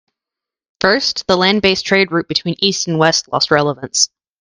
First, the land based trade route between east and west lost relevance.